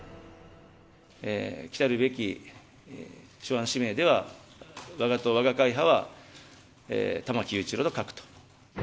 きたるべき首班指名では、わが党、わが会派は玉木雄一郎と書くと。